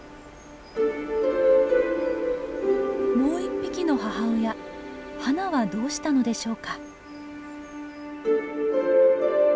もう１匹の母親ハナはどうしたのでしょうか？